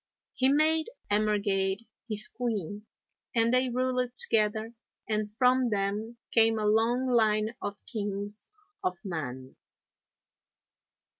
He made Emergaid his queen and they ruled together, and from them came a long line of Kings of Mann.